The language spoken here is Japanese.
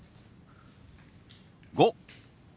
「５」。